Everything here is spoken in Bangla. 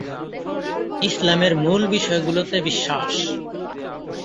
ইসলামের মূল বিষয়গুলোতে বিশ্বাস।